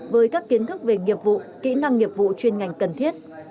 với các kiến thức về nghiệp vụ kỹ năng nghiệp vụ chuyên ngành cần thiết